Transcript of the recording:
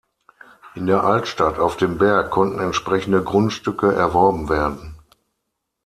In der Altstadt auf dem Berg konnten entsprechende Grundstücke erworben werden.